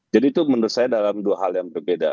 jadi itu menurut saya dalam dua hal yang berbeda